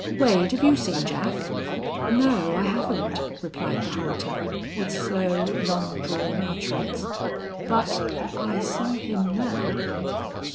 "Wade, have you seen Jack?" "No I haven't," replied the hunter, with slow, long drawn utterance. "But I see him now."